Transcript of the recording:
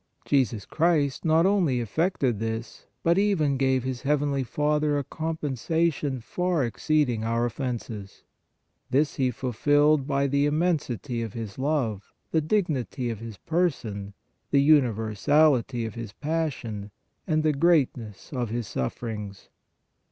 Jesus Christ not only effected this, but even gave His heavenly Father a compensation far exceeding our offenses. This He fulfilled by the immensity of His love, the dignity of His Person, the universality of His Passion and the greatness of His sufferings.